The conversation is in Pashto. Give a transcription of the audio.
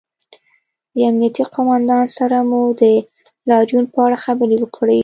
د امنیې قومندان سره مو د لاریون په اړه خبرې وکړې